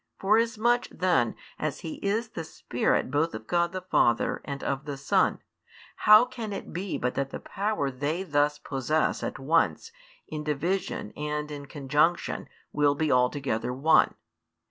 Forasmuch then as He is the Spirit both of God the Father and of the Son, how can it be but that the power They thus possess at once in division and in conjunction will be altogether one?